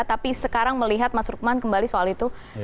tapi sekarang melihat mas rukman kembali soal itu